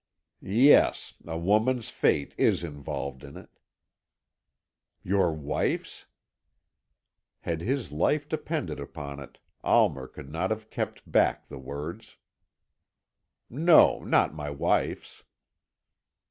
"Yes, a woman's fate is involved in it." "Your wife's?" Had his life depended upon it, Almer could not have kept back the words. "No, not my wife's."